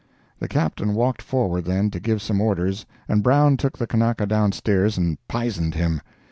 The Captain walked forward then to give some orders, and Brown took the Kanaka down stairs and "pisoned" him.